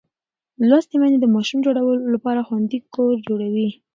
لوستې میندې د ماشوم لپاره خوندي کور جوړوي.